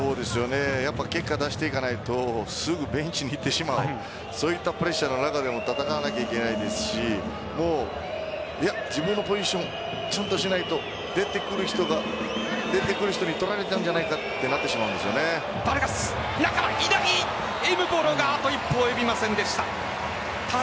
やっぱ結果出していかないとすぐベンチに行ってしまうそういったプレッシャーの中で戦わなければいけないですし自分のポジションちゃんとしないと出てくる人に取られちゃうんじゃないかとエムボロがあと一歩及びませんでした。